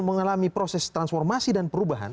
mengalami proses transformasi dan perubahan